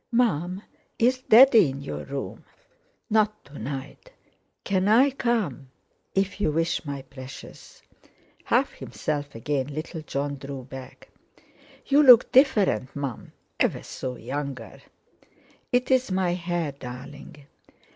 "Mum, is Daddy in your room?" "Not to night." "Can I come?" "If you wish, my precious." Half himself again, little Jon drew back. "You look different, Mum; ever so younger." "It's my hair, darling."